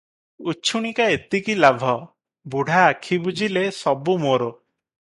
ଉଛୁଣିକା ଏତିକି ଲାଭ, ବୁଢ଼ା ଆଖି ବୁଜିଲେ ସବୁ ମୋର ।